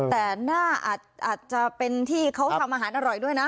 แต่หน้าอาจจะเป็นที่เขาทำอาหารอร่อยด้วยนะ